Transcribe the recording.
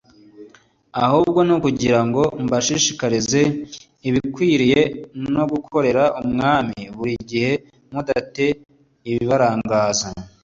Ahubwo ni ukugira ngo mbashishikarize ibikwiriye no gukorera Umwami buri gihe muda te ibibarangaza